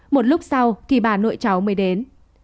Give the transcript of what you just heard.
một lúc sau thì bà nội cháu mới đến